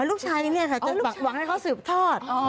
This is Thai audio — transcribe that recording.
ลูกชายเนี่ยค่ะจะหวังให้เขาสืบทอด